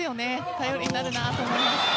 頼りになるなと思います。